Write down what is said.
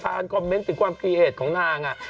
พาคอนเม้นต์ถึงความเครียดของนางอ่ะ